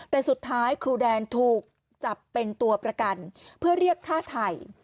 แต่สุดท้ายครูแดนถูกจับเป็นตัวประกันเพื่อเรียกฆ่าไทย